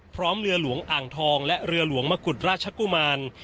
พร้อมเรือหลวงอ่างทองและเรือหลวงมะกุฎราชกุมาร